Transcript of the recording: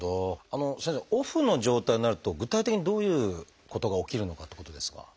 先生オフの状態になると具体的にどういうことが起きるのかってことですが。